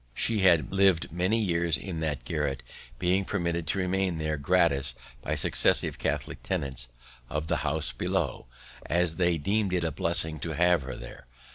She had lived many years in that garret, being permitted to remain there gratis by successive Catholic tenants of the house below, as they deemed it a blessing to have her there.